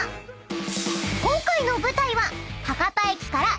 ［今回の舞台は］